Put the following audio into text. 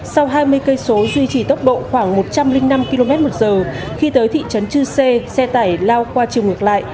sau hai mươi km duy trì tốc độ khoảng một trăm linh năm km một giờ khi tới thị trấn chư xê xe tải lao qua trường ngược lại